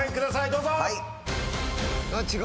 どうぞ。